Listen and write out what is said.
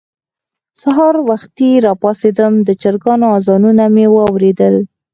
سهار ښه وختي راپاڅېدم، د چرګانو اذانونه مې واورېدل.